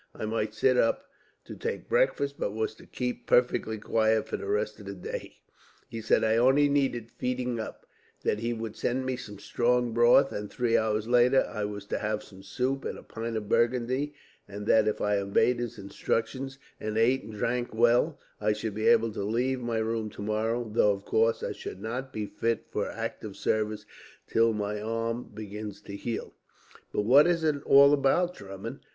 I might sit up to take breakfast, but was to keep perfectly quiet for the rest of the day. He said I only needed feeding up, that he would send me some strong broth, and three hours later I was to have some soup and a pint of Burgundy; and that if I obeyed his instructions, and ate and drank well, I should be able to leave my room tomorrow; though of course, I should not be fit for active service till my arm began to heal." "But what is it all about, Drummond?